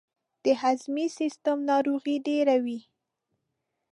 د هضمي سیستم ناروغۍ ډیرې دي.